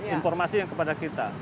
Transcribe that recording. informasi yang kepada kita